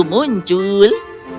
tidak ada waktu muncul